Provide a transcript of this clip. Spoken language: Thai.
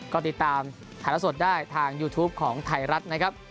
ก็ติดตามถ่ายละสดได้ทางยูทูปของไทยรัฐนะครับ